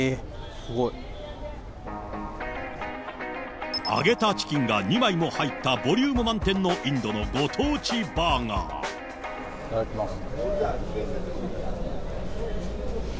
すごい。揚げたチキンが２枚も入ったボリューム満点のインドのご当地いただきます。